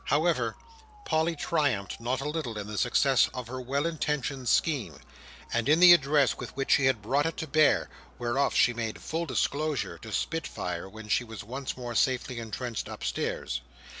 However, Polly triumphed not a little in the success of her well intentioned scheme, and in the address with which she had brought it to bear: whereof she made a full disclosure to Spitfire when she was once more safely entrenched upstairs.